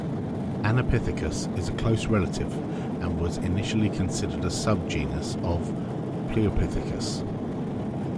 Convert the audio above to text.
"Anapithecus" is a close relative and was initially considered a subgenus of "Pliopithecus".